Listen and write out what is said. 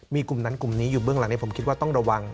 มีกลุ่มนั้นกลุ่มนี้อยู่เบื้องหลังนี้ผมคิดว่าต้องระวัง